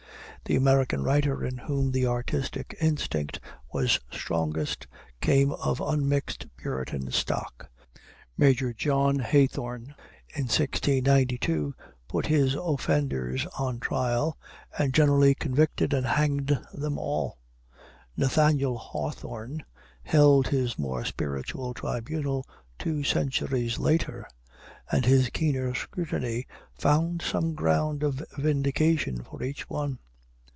The American writer in whom the artistic instinct was strongest came of unmixed Puritan stock. Major John Hathorne, in 1692, put his offenders on trial, and generally convicted and hanged them all. Nathaniel Hawthorne held his more spiritual tribunal two centuries later, and his keener scrutiny found some ground of vindication for each one.